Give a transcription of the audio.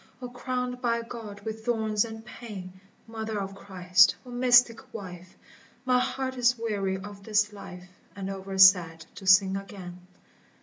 O crowned by God with thorns and pain ! Mother of Christ ! O mystic wife ! My heart is weary of this life And over sad to sing again.